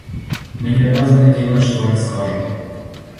Мы не обязаны делать, что они скажут.